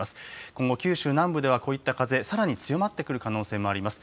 今後九州南部では、こういった風、さらに強まってくる可能性もあります。